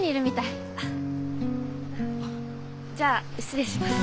じゃあ失礼します。